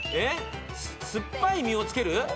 「酸っぱい実をつける」？